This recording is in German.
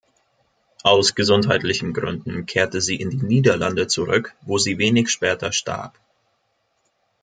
Aus gesundheitlichen Gründen kehrte sie in die Niederlande zurück, wo sie wenig später starb.